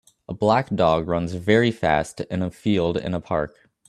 A black dog runs very fast in a field in a park